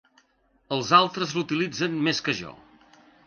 Els altres l'utilitzen més que jo.